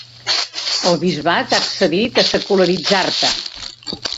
El bisbat ha accedit a secularitzar-te.